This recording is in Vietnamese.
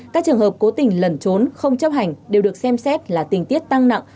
các trường hợp cố tình lẩn trốn không chấp hành đều được xem xét là tình tiết tăng nặng